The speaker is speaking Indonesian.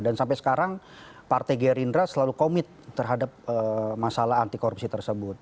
dan sampai sekarang partai gerindra selalu komit terhadap masalah anti korupsi tersebut